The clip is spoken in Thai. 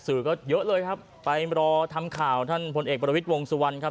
ก็เยอะเลยครับไปรอทำข่าวท่านพลเอกประวิทย์วงสุวรรณครับ